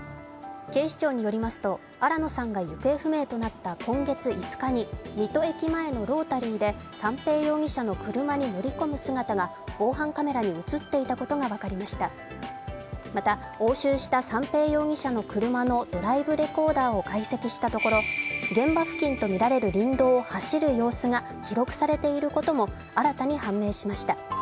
警視庁によりますと、新野さんが行方不明となった今月５日に水戸駅前のロータリーで三瓶容疑者の車に乗り込む姿がまた押収した三瓶容疑者の車のドライブレコーダーを解析したところ現場付近とみられる林道を走る様子が記録されていることも新たに判明しました。